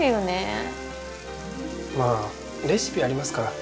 まあレシピありますから。